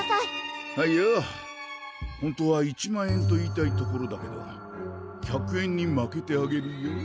本当は１万円と言いたいところだけど１００円にまけてあげるよ。